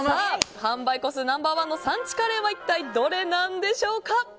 販売個数ナンバー１の産地カレーは一体、どれなんでしょうか。